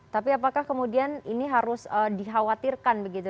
tapi apakah kemudian ini harus dikhawatirkan begitu